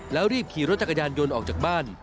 แล้วรีบขี่รถจักรยานยนต์ออกจากบ้าน